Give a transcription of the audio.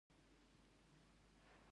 جګړه کورنۍ بې سرپرسته کوي